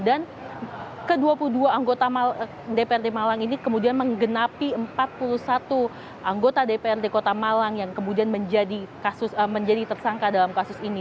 dan ke dua puluh dua anggota dprd malang ini kemudian menggenapi empat puluh satu anggota dprd kota malang yang kemudian menjadi tersangka dalam kasus ini